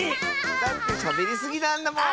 だってしゃべりすぎなんだもん！